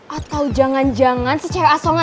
atau jangan jangan cewek asongan tuh yang nge hack